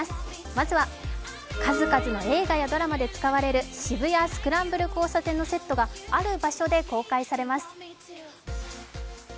まずは数々のドラマや映画で使われる渋谷スクランブル交差点のセットがある場所で公開されます。